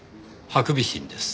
ハクビシンです。